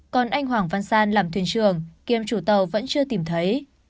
còn anh hoàng văn san làm thuyền trường kiêm chủ tàu vẫn chưa tìm thấy